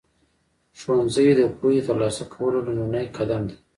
ښوونځی د پوهې ترلاسه کولو لومړنی قدم دی.